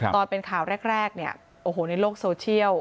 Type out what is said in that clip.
ตอนเป็นข่าวแรกเนี่ยโอ้โหในโลกโซเชียล